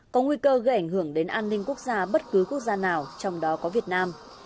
có nguy cơ gây ảnh hưởng đến an ninh quốc gia bất cứ quốc gia nào trong đó có việt nam